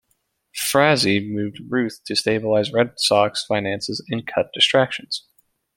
Frazee moved Ruth to stabilize Red Sox finances and cut distractions.